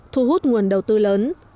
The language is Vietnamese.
thu hút nguồn đầu tư lớn